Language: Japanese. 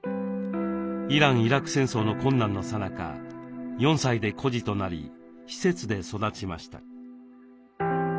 イラン・イラク戦争の困難のさなか４歳で孤児となり施設で育ちました。